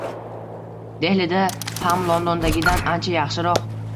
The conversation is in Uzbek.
Dehlida ham Londondagidan ancha yaxshiroq.